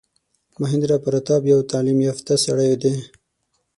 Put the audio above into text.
مهیندراپراتاپ یو تعلیم یافته سړی دی.